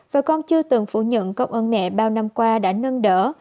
và con chưa từng phủ nhận công ơn mẹ bao năm qua đã nâng đỡ